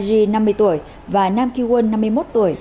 jong tae ji năm mươi tuổi và nam ki won năm mươi một tuổi